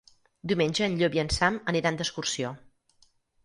Diumenge en Llop i en Sam aniran d'excursió.